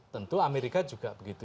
tentu amerika juga begitu